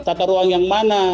tatar ruang yang mana